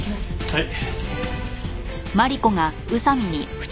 はい。